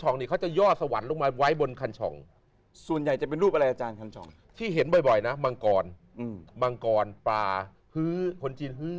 นี่เขาเป็นลูกอ๊อสเป็นการเกิด